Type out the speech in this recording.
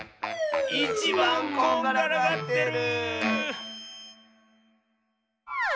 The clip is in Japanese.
いちばんこんがらがってる！